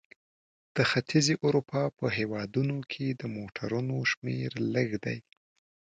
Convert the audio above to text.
د ختیځې اروپا په هېوادونو کې د موټرونو شمیر لږ دی.